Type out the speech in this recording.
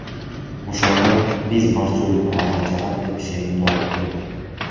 Ошондо, биз барчу өлкө ага жагат деп ишенимдүү айттым.